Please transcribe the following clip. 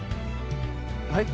はい？